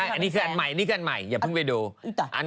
อันนี้คืออันใหม่อย่าเพิ่งไปดู